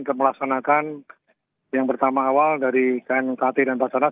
kita melaksanakan yang pertama awal dari knkt dan basarnas